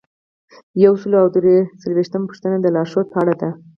یو سل او درې څلویښتمه پوښتنه د لارښوود په اړه ده.